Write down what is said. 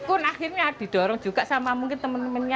pun akhirnya didorong juga sama mungkin teman temannya